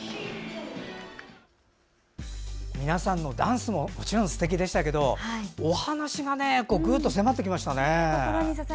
皆さんのダンスももちろんすてきでしたけどお話が、ぐっと迫ってきましたね。